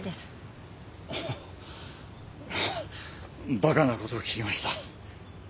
馬鹿な事を聞きました。